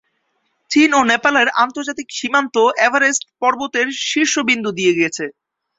চীন ও নেপালের আন্তর্জাতিক সীমান্ত এভারেস্ট পর্বতের শীর্ষবিন্দু দিয়ে গেছে।